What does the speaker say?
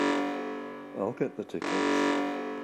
I'll get the tickets.